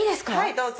どうぞ。